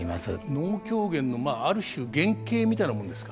能狂言のある種原型みたいなものですか？